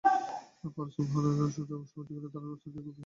পরে সুবহানের সহযোগীরা ধারালো অস্ত্র দিয়ে কুপিয়ে তাঁর বাবাকে হত্যা করে।